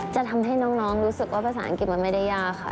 จะทำให้น้องรู้สึกว่าภาษาอังกฤษมันไม่ได้ยากค่ะ